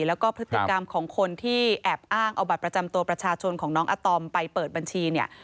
แล้วก็พฤติกรรมของคนที่แอบอ้างเอาบัตรประจำตัวประชาชนของน้องอาตอมไปเปิดบัญชีเนี่ย